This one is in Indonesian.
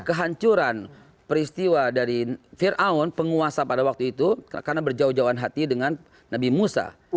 kehancuran peristiwa dari ⁇ firaun ⁇ penguasa pada waktu itu karena berjauh jauhan hati dengan nabi musa